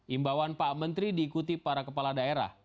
imbawan pak menteri diikuti para kepala daerah